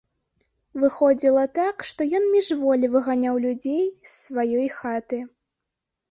Выходзіла так, што ён міжволі выганяў людзей з сваёй хаты.